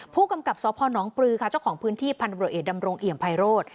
ผู้กำกับสพนปลือค่ะเจ้าของพื้นที่พันธุรกิจดำรงเอี่ยมไพโรธ